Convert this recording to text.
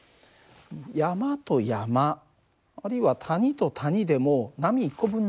山と山あるいは谷と谷でも波１個分なんだ。